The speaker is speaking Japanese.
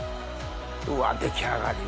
うわ出来上がり。